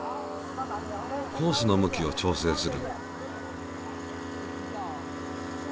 ホースの向きを調整する。